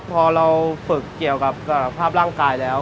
พอเราฝึกเกี่ยวกับสภาพร่างกายแล้ว